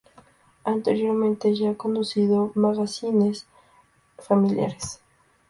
Anteriormente ya ha conducido magazines familiares.